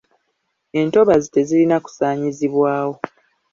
Entobazi tezirina kusaanyizibwawo.